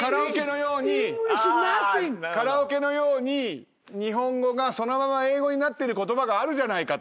カラオケのように日本語がそのまま英語になってる言葉があるじゃないかと。